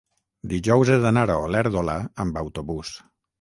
dijous he d'anar a Olèrdola amb autobús.